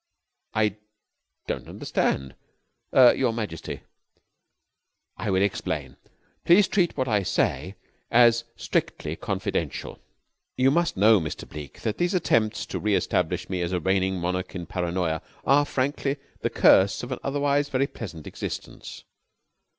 "I don't understand er your majesty." "I will explain. Please treat what I shall say as strictly confidential. You must know, Mr. Bleke, that these attempts to re establish me as a reigning monarch in Paranoya are, frankly, the curse of an otherwise very pleasant existence.